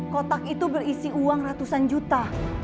kotak itu berisi uang ratusan juta